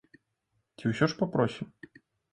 Ці ўсё ж папросім?